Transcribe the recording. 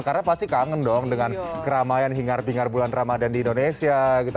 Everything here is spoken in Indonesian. karena pasti kangen dong dengan keramaian hingar bingar bulan ramadan di indonesia gitu